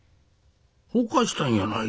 ほかしたんやない。